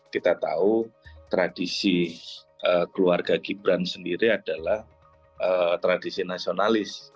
kita tahu tradisi keluarga gibran sendiri adalah tradisi nasionalis